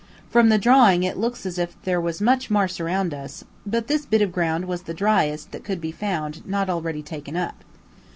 From the drawing it looks as if there was much marsh around us; but this bit of ground was the driest that could be found not already taken up.